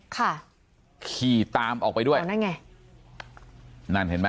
ค่ะขี่ตามออกไปด้วยอ๋อนั่นไงนั่นเห็นไหม